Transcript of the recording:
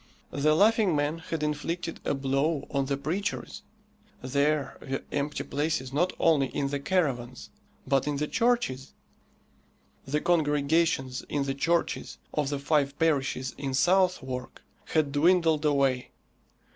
The Laughing Man had inflicted a blow on the preachers. There were empty places not only in the caravans, but in the churches. The congregations in the churches of the five parishes in Southwark had dwindled away.